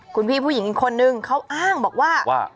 คุณพี่ผู้หญิงอีกคนนึงเขาอ้างบอกว่า